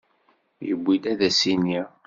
Yewwi-d ad as-iniɣ?